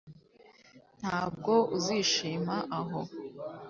Ntabwo uzishima aho